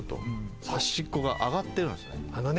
端っこが上がってるんですね。